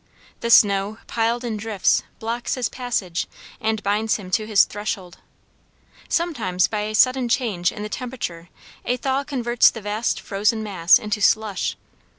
The snow, piled in drifts, blocks his passage and binds him to his threshold. Sometimes by a sudden change in the temperature a thaw converts the vast frozen mass into slush.